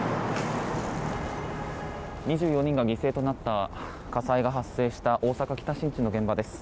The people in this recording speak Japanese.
２４人が犠牲となった火災が発生した大阪・北新地の現場です。